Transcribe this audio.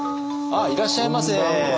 いらっしゃいませ。